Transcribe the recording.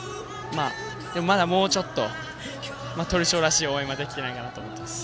でも、まだもうちょっと鳥商らしい応援ができてないかなと思います。